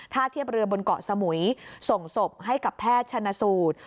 เทียบเรือบนเกาะสมุยส่งศพให้กับแพทย์ชนสูตร